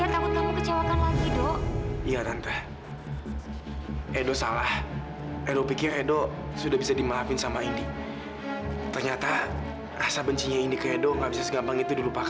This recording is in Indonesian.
atau mungkin malah membuat kita semakin jauh